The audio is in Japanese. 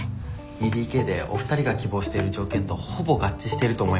２ＤＫでお二人が希望している条件とほぼ合致してると思いますけど。